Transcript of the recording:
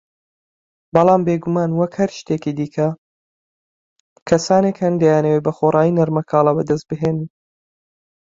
بەڵام بیگومان وەک هەر شتێکی دیکە، کەسانێک هەن دەیانەوێ بەخۆڕایی نەرمەکاڵا بەدەست بهێنن